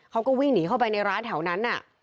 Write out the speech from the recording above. เขาก็วิ่งหนีเข้าไปในร้านแถวนั้น